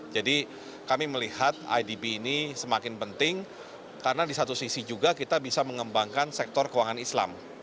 jadi kami melihat idb ini semakin penting karena di satu sisi juga kita bisa mengembangkan sektor keuangan islam